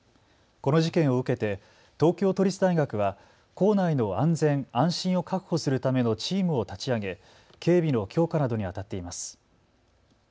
この事件を受けて東京都立大学は構内の安全安心を確保するためのチームを立ち上げ警備の強化などにあたっています。